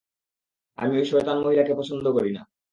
আমি ওই শয়তান মহিলাকে পছন্দ করি না!